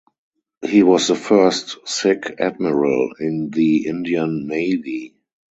He was the first Sikh Admiral in the Indian Navy.